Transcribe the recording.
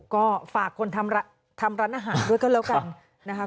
ก็ฝากคนทำร้านอาหารด้วยก็แล้วกันนะคะ